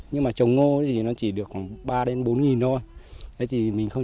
nhưng mà trồng ngô thì nó chỉ được khoảng ba bốn nghìn thôi